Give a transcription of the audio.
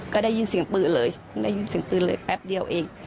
ก็ได้ยินเสียงปืนเลยได้ยินเสียงปืนเลยแป๊บเดียวเอง